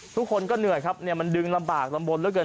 ทุกคนก็เหนื่อยครับมันดึงลำบากลำบลเหลือเกิน